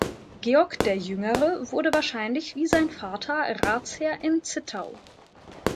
Georg der Jüngere wurde wahrscheinlich wie sein Vater Ratsherr in Zittau.